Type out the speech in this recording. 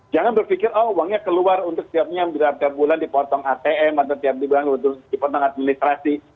jangan berpikir oh uangnya keluar untuk setiapnya setiap bulan dipotong atm atau tiap dibangun dipotong administrasi